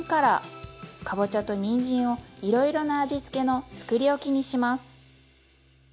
かぼちゃとにんじんをいろいろな味付けのつくりおきにします。